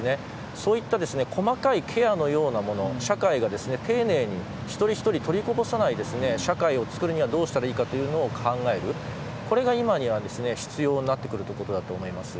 そういった細かいケアのようなもの社会が丁寧に一人一人、取りこぼさない社会をつくるにはどうしたらいいかというのを考えるこれが今、必要になってくるということだと思います。